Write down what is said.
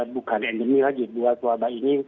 bukan endemi lagi buat wabah ini